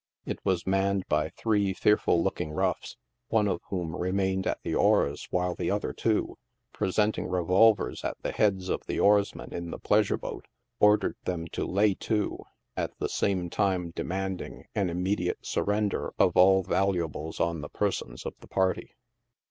It was manned by three fearful looking roughs, one of whom remained at the oars, while the other two, presenting revolvers at the heads of the oarsmen in the pleasure boat, ordered them to lay to, at the same time demanding an immediate surrender of all valuables on 108 NIGHT SIDE OF NEW YORK. the persons of the party.